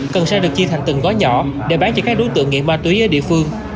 cần xe được chia thành từng gói nhỏ để bán cho các đối tượng nghiện ma túy ở địa phương